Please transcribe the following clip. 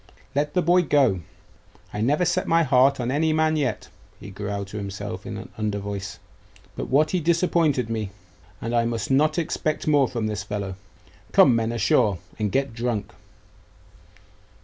'Let the boy go. I never set my heart on any man yet,' he growled to himself in an under voice, 'but what he disappointed me and I must not expect more from this fellow. Come, men, ashore, and get drunk!